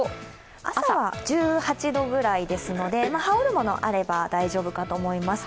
朝は１８度ぐらいですので羽織るものがあれば大丈夫かと思います。